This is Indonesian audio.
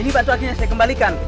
ini batu akiknya saya kembalikan